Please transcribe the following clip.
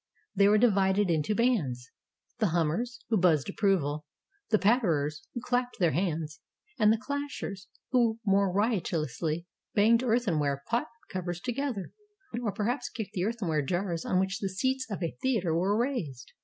They were divided into bands: the Hum mers, who buzzed approval, the Patterers, who clapped their hands, and the Clashers, who more riotously banged earthenware pot covers together, or perhaps kicked the earthenware jars on which the seats at a theater were raised.